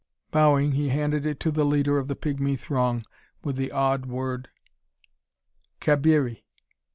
Bowing, he handed it to the leader of the pigmy throng, with the awed word: "_Cabiri!